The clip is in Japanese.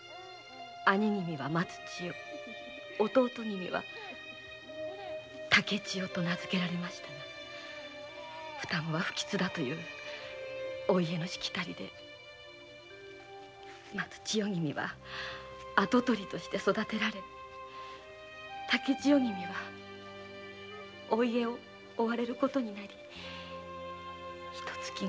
兄君は松千代弟君は竹千代と名づけられましたが双子は不吉だというお家のしきたりで松千代君は跡取りとして育てられ竹千代君はお家を追われることになりひと月後。